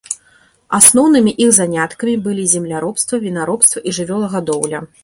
Асноўнымі іх заняткамі былі земляробства, вінаробства і жывёлагадоўля.